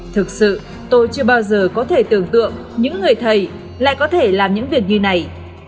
thực sự tôi chưa bao giờ có thể tưởng tượng những người thầy lại có thể làm những việc như này